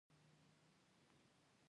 آزاد تجارت مهم دی ځکه چې ژوند اوږدوي.